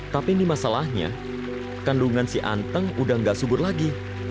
tapi ini masalahnya kandungan si anteng udah gak subur lagi